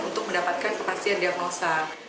untuk mendapatkan kepasien diagnosa